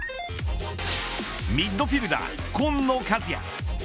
ミッドフィルダー紺野和也。